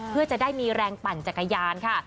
เพื่อจะได้มีแรงปั่นจักรยานค่ะ